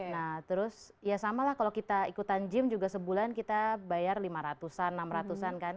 nah terus ya sama lah kalau kita ikutan gym juga sebulan kita bayar lima ratus an enam ratus an kan